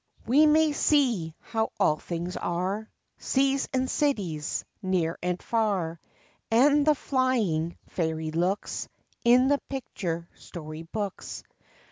We may see how all things are, Seas and cities, near and far, And the flying fairies' looks, In the picture story books.